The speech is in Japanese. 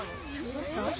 どうした？